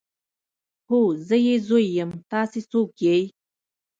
هو زه يې زوی يم تاسې څوک يئ.